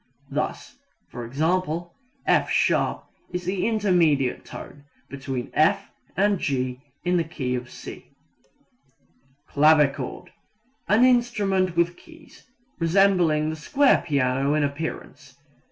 Thus e.g., "F[sharp] is the intermediate tone between F and G in the key of C." Clavichord an instrument with keys, resembling the square piano in appearance.